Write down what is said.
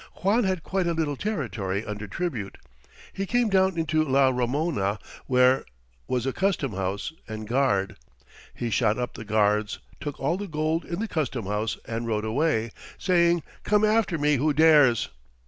Juan had quite a little territory under tribute. He came down into La Ramona, where was a custom house and guard. He shot up the guards, took all the gold in the custom house, and rode away, saying: "Come after me who dares!"